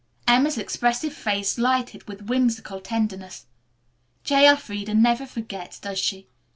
Emma's expressive face lighted with whimsical tenderness. "J. Elfreda never forgets, does she?